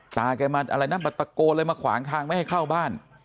แกมาอะไรนะมาตะโกนเลยมาขวางทางไม่ให้เข้าบ้าน